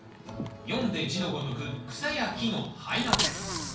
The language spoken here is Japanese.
読んで字のごとく草や木の灰なんです